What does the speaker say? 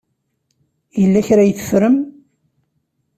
Yella kra ay teffrem?